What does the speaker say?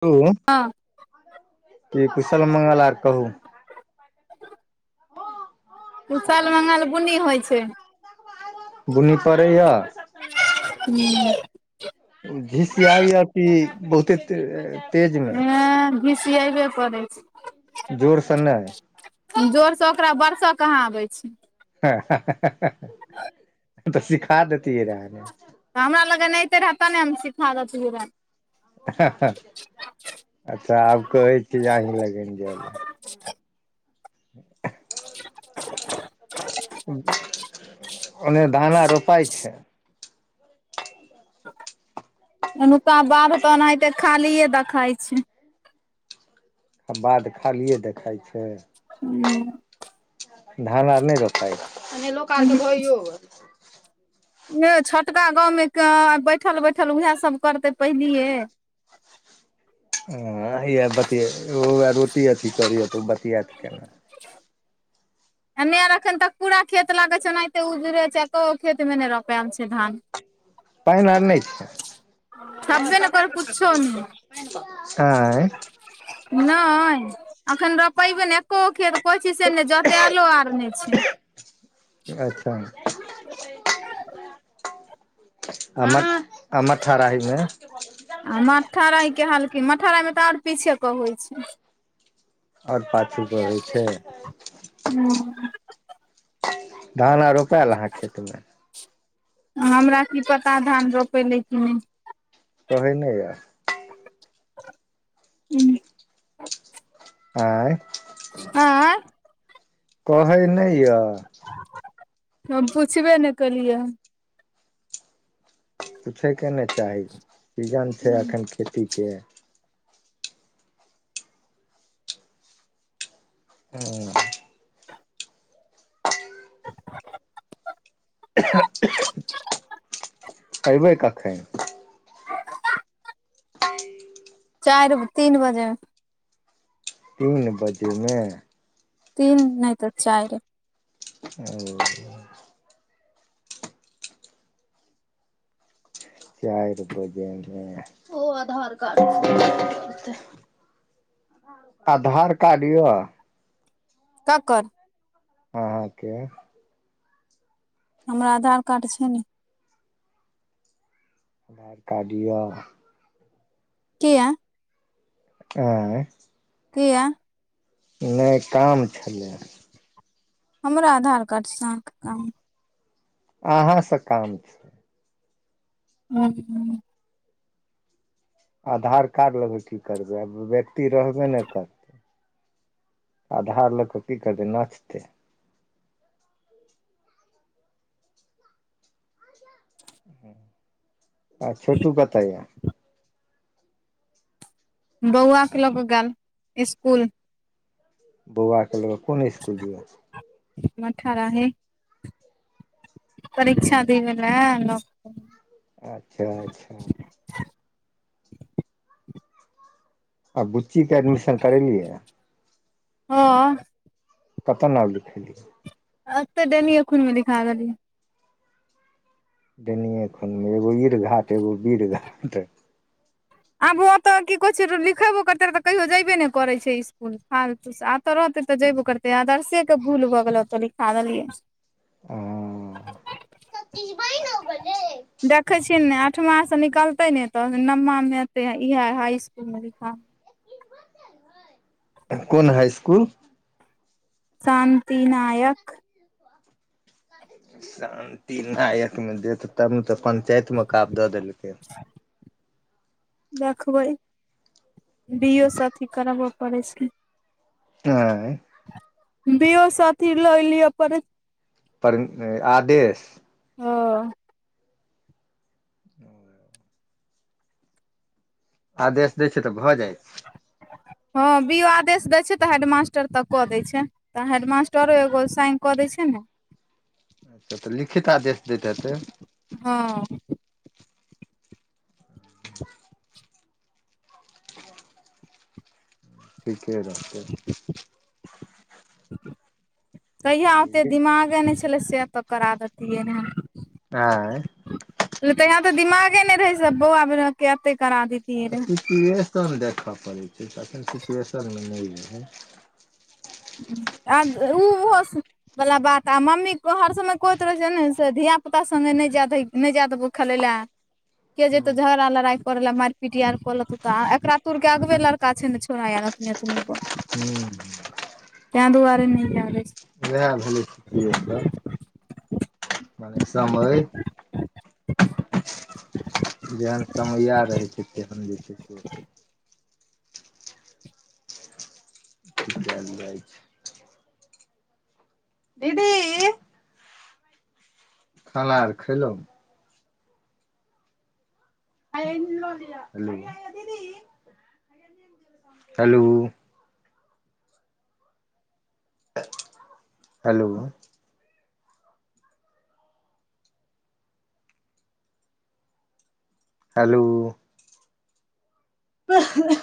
त [unintelligible] हँ की कुशल मंगल आर कहू कुशल मंगल बुन्नी होइ छै बुन्नी पड़ैय हूँ झिसियाइ य कि बहुते तेज मे ऐं झिसियैबै करै छै जोर सँ नहि हम जोरसँ ओकरा वरसऽ कहाँ आबै छी तऽ सीखा दतियै रहै ने तऽ हमरा लगन अयइतै रहए तब ने हम सिखा देत रहऽ अच्छा आब कहै छी अहाँ के लगन जाय लए [inaudible] ओनेय धान रोपाय छै एनुका बाध तनाहिते खालिए देखाइ छै बाध खालिए देखाइ छै हूंम्म धान आर नहि रोपाइ यौ छोटका गाँवमे बैठल बैठल उएह सब करतै पहिलिये हैये बतिया रोटी अथी करैये तऽ ओ बतियेत केना [inaudible] एन्ने आर एखन तक पूरा खेत लागै छै ओनाहिते उजरै छै एको खेत मे नहि रोपेल छै धान पानि आर नहि छै छब्बे ने कर कुछो नहि आँय नहि अखन रपैबे ने एकोगो खेत कहै छी से नहि जोतेलो आर नहि छै अच्छा आ मट्ठाराहीमे आ मट्ठाराहीमे के हाल की मट्ठाराहीमे मे तऽ आओर पीछे के होइ छै आओर पाछू कऽ होैइ छै हूंम्म धान आ रोपायल अहाँ खेतमे हमरा कि पता धान रोपैले कि नहि कहै नहि ये उंहूँ आँय आँय कहै नहि यऽ हम पुछबे ने केलियै हन पूछयके ने चाही सीजन छै एखन खेतीके ऐं [inaudible] अयबै कखन [inaudible] चारि तीन बजे मे तीन बजेमे तीन नहि तऽ चारि ओ चारि बजैमे ओ आधार कार्ड [unintelligible] आधार कार्ड य ककर अहाँके हमरा आधार कार्ड छै ने आधार कार्ड यऽ किया आँय किया नहि काम छलै हमरा आधार कार्डसँ अहाँके काम अहाँ सँ काम छै [inaudible] आधार कार्ड लऽ कऽ की करबै आ व्यक्ति रहबे ने करतै आधार लऽ कऽ की करतै नाचतै आ छोटू कतऽ ये बौआ के लऽ के गेल स्कुल बौआके लऽ कऽ कोन स्कुल गेल मट्ठाराही ओ परीक्षा देबे ले लऽ कऽ अच्छा अच्छा आ बुच्चीके एडमिशन करेलियै हँ कतऽ नाम लिखैली अतऽ डैनीएखून मे लिखा देलियै डैनीएखून मे एगो इर घाट एगो वीर घाट आबो तऽ की कहै छै लिखेबो करते रहै तऽ कहियो जयबे ने करै छै स्कुल हाल आ अतऽ रहतै तऽ जयबो करतै आदर्शे के भूल भऽ गेल ओतऽ लिखा देलियै ओ [unintelligible] देखै छियै ने अठमाँ सँ निकलतै ने तऽ नवमामे एतै इएह हाइ स्कुलमे लिखा कोन हाइ स्कुल शान्ति नायक शान्ति नायक मे देत तब ने तऽ पंचायत मे काब दऽ देलकै देखबै बियो से अथी करबऽ पड़ै छै आँय बियो साथी ल एली अपन पर आदेश ह ओ आदेश दै छै तऽ भऽ जाइत हँ बियों आदेश दै छै तऽ हेडमास्टर तक कऽ दै छै तऽ हेडमास्टरो एगो साइन कऽ दै छै ने अच्छा तऽ लिखित आदेश दैत हेतै हँ ठीके रहते तहिया ओते दिमागे नहि छलै से तऽ करा देतियै ने आँय तऽ यहाँ तऽ दिमागे नहि रहै सब बौआ बेर मे एते करा देत सिचुएशन देखय पड़ैत छै एखन सिचुएशनमे नहि रहै अ उ उहो वाला बात आ मम्मी हर समय कोइ तरह छै ने से धिय पुता से नहि जैदही नहि जाय देवो खेलै ले के हूँ जेतो झगड़ लराय पड़ ल मार पीट यार कर एकरा तुरके आगबे लड़का छै ने छोड़ो आर एतनि गो हू ते दुआरे नै जेए दै छै इएह भेलै तऽ मने समय जेहन समया रहै छै तेहन जे छै से त जाइ छै दीदी खाना आर खेलहुँ दीदी हेलो हेलो हेलो त [unintelligible]